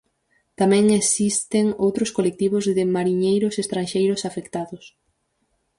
Tamén existen outros colectivos de mariñeiros estranxeiros afectados.